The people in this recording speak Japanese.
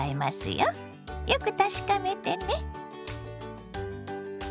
よく確かめてね。